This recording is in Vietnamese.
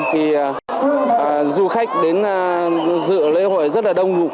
thì du khách đến dự lễ hội rất là đông nụ